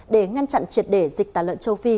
để ngăn chặn triệt để dịch tả lợn châu phi